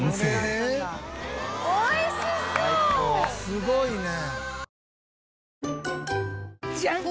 すごいね。